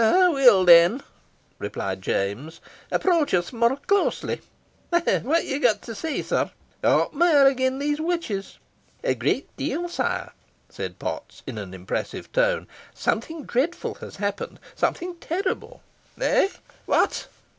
"Aweel, then," replied James, "approach us mair closely. What hae ye got to say, sir? Aught mair anent these witches?" "A great deal, sire," said Potts, in an impressive tone. "Something dreadful has happened something terrible." "Eh! what?"